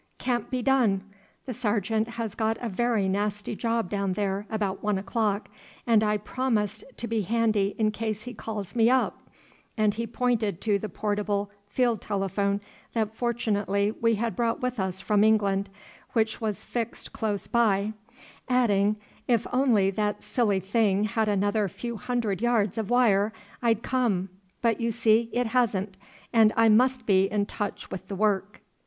"Can't be done; the Sergeant has got a very nasty job down there about one o'clock, and I promised to be handy in case he calls me up," and he pointed to the portable field telephone that fortunately we had brought with us from England, which was fixed closed by, adding, "if only that silly thing had another few hundred yards of wire, I'd come; but, you see, it hasn't and I must be in touch with the work."